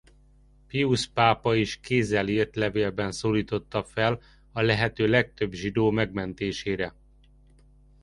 Piusz pápa is kézzel írt levélben szólította fel a lehető legtöbb zsidó megmentésére.